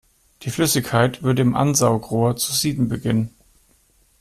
Die Flüssigkeit würde im Ansaugrohr zu sieden beginnen.